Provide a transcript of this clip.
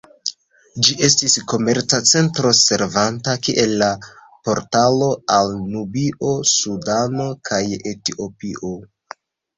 Ĝi estis komerca centro, servanta kiel la portalo al Nubio, Sudano kaj Etiopio.